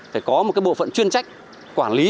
phải có một bộ phận chuyên trách quản lý